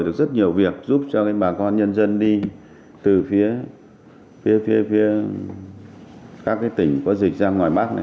được rất nhiều việc giúp cho bà con nhân dân đi từ phía các tỉnh có dịch ra ngoài bắc này